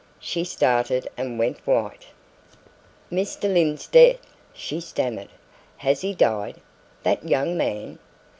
She started and went white. "Mr. Lyne's death?" she stammered. "Has he died? That young man?"